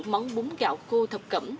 món bún gạo khô thập cẩm